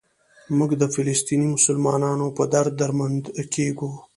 موږ د فلسطیني مسلمانانو په درد دردمند کېږو.